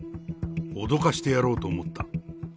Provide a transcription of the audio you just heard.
脅かしてやろうと思った。